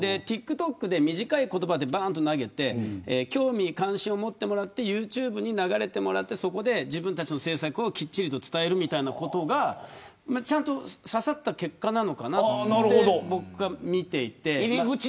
ＴｉｋＴｏｋで短い言葉で、ばんっと投げて興味、関心を持ってもらってＹｏｕＴｕｂｅに流れてもらってそこで自分たちの政策をきっちり伝えるということが刺さった結果なのかなと僕は見ていて。